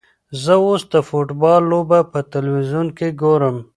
زه اوس د فوټبال لوبه په تلویزیون کې ګورم.